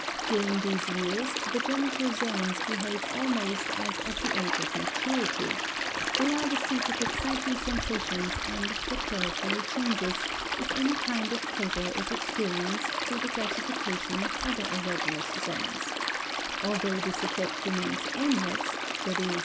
During these years the genital zones behave almost as at the age of maturity; they are the seat of exciting sensations and of preparatory changes if any kind of pleasure is experienced through the gratification of other erogenous zones; although this effect remains aimless, _i.e.